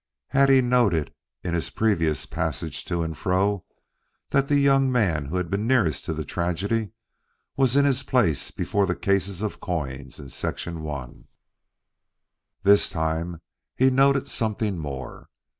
He had noted, in his previous passage to and fro, that the young man who had been nearest to the tragedy was in his place before the case of coins in Section I. This time he noted something more.